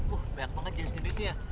wah banyak banget jenis jenisnya